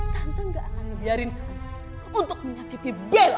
tante gak akan ngebiarin kamu untuk menyakiti bella